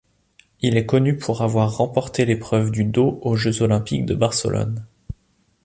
Il est connu pour avoir remporté l'épreuve du dos aux Jeux olympiques de Barcelone.